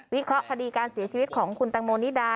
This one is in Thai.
เคราะห์คดีการเสียชีวิตของคุณตังโมนิดา